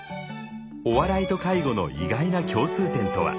お笑いと介護の意外な共通点とは？